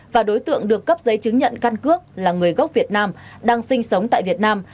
và đối tượng được cấp giấy chứng nhận căn cước là người gốc việt nam đang sinh sống tại việt nam